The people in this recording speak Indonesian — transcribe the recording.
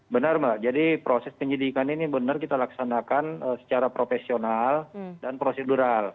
benar mbak jadi proses penyidikan ini benar kita laksanakan secara profesional dan prosedural